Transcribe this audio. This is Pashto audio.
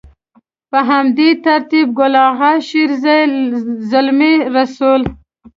په همدې ترتيب ګل اغا شېرزي، زلمي رسول.